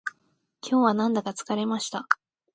今日はなんだか疲れました